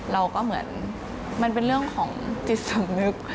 เราก็เหมือนมันเป็นเรื่องของจิตสำนึก